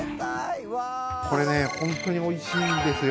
これね、本当においしいんですよ。